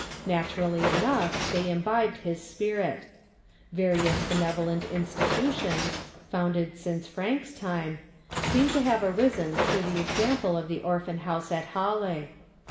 Naturally enough, they imbibed his spirit. Various benevolent institutions, founded since Francke's time, seem to have arisen through the exam ple of the Orphan house at Halle.